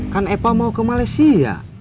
kan epa mau ke malaysia